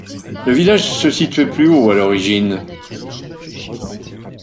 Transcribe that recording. Le village se situait plus haut à l'origine.